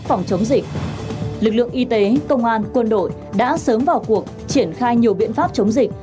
phòng chống dịch lực lượng y tế công an quân đội đã sớm vào cuộc triển khai nhiều biện pháp chống dịch